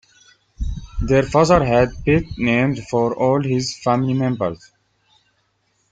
Their father had pet names for all his family members.